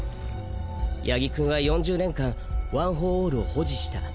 八木くんは４０年間ワン・フォー・オールを保持した。